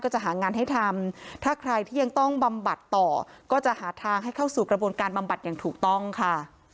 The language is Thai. จะหางานให้ทำถ้าใครที่ยังต้องบำบัดต่อก็จะหาทางให้เข้าสู่กระบวนการบำบัดอย่างถูกต้องค่ะ